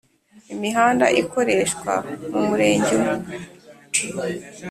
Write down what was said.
imihanda ikoreshwa mu Murenge umwe